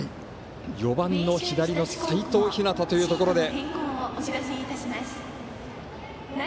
４番の左の齋藤陽というところで。